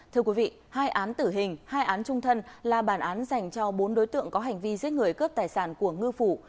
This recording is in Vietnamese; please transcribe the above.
thưa quý vị hai án tử hình hai án trung thân là bản án dành cho bốn đối tượng có hành vi giết người cướp tài sản của ngư phủ